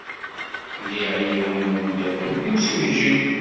Liɣ yiwen n umeddakel d imsujji.